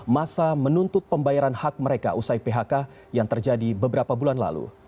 masa menuntut pembayaran hak mereka usai phk yang terjadi beberapa bulan lalu